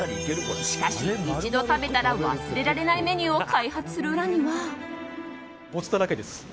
しかし、一度食べたら忘れられないメニューを開発する裏には。